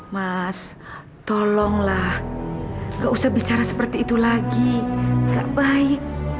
mas tolonglah gak usah bicara seperti itu lagi gak baik